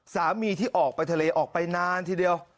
สามีที่ออกไปทะเลออกไปนานทีเดียว